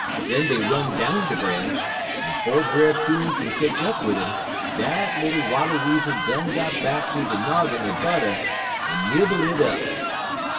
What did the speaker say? Den dey run down de branch, and 'fo' Brer Coon kin ketch up wid 'im, dat little Wattle Weasel done got back ter de noggin er butter, en nibble it up.